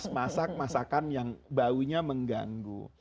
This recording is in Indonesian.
masak masakan yang baunya mengganggu